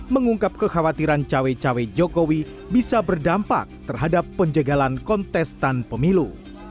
mengungkap kekhawatiran cawe cawe jokowi bisa berdampak terhadap penjagalan kontestan pemilu